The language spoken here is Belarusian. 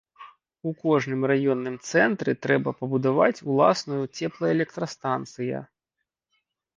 У кожным раённым цэнтры трэба пабудаваць уласную цеплаэлектрастанцыя.